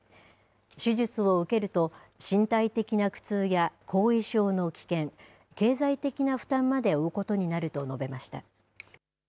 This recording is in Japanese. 手術を受けると、身体的な苦痛や後遺症の危険、経済的な負担まで負うことになると述べました。